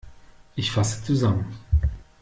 Ich fasse zusammen.